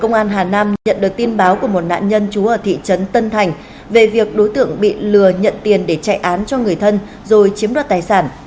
công an hà nam nhận được tin báo của một nạn nhân chú ở thị trấn tân thành về việc đối tượng bị lừa nhận tiền để chạy án cho người thân rồi chiếm đoạt tài sản